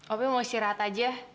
opi mau istirahat saja